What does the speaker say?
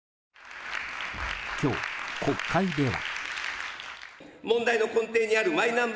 今日、国会では。